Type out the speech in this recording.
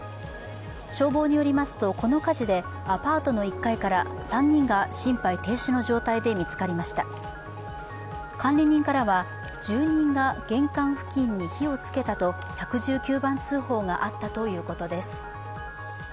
消防によりますと、この火事でアパートの１階から３人が心肺停止の状態で見つかりました管理人からは、住人が玄関付近に火を付けたと１１９番通報があったということです。